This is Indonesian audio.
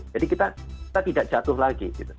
jadi kita tidak jatuh lagi